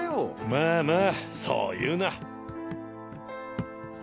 まあまあそう言うな。